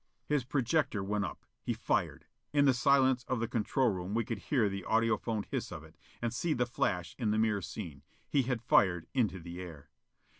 His projector went up. He fired. In the silence of the control room we could hear the audiphoned hiss of it, and see the flash in the mirror scene. He had fired into the air.